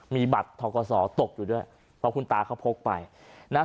มีบัตรทกศตกอยู่ด้วยเพราะคุณตาเขาพกไปนะฮะ